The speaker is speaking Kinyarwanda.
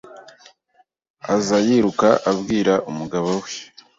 aza yiruka abwira umugabo we